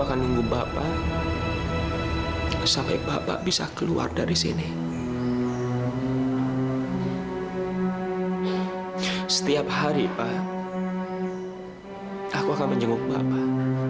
kalau bapak seperti ini terus bapak gak akan pernah berubah